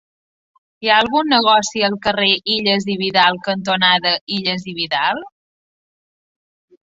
Hi ha algun negoci al carrer Illas i Vidal cantonada Illas i Vidal?